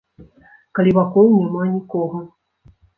Калі вакол няма нікога.